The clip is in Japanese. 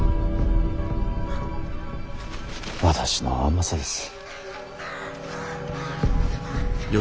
私の甘さです。